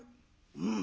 「うん。